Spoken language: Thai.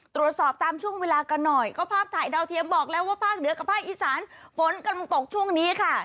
ตรวจสอบตามช่วงเวลากันหน่อยก็ภาพถ่ายดาวเทียมบอกแล้วว่าภาคเหนือกับภาคอีสานฝนกำลังตกช่วงนี้ค่ะ